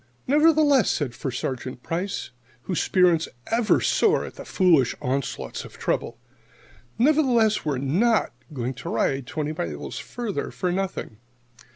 "Nevertheless," said First Sergeant Price, whose spirits ever soar at the foolish onslaughts of trouble "nevertheless, we're not going to ride twenty miles farther for nothing.